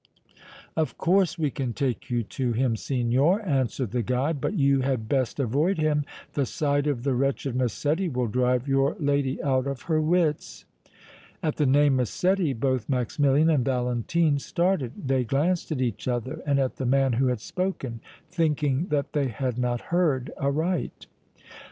"Of course, we can take you to him, signor," answered the guide; "but you had best avoid him; the sight of the wretched Massetti will drive your lady out of her wits!" At the name Massetti both Maximilian and Valentine started; they glanced at each other and at the man who had spoken, thinking that they had not heard aright.